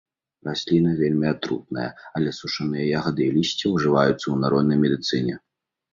Расліна вельмі атрутная, але сушаныя ягады і лісце ўжываюцца ў народнай медыцыне.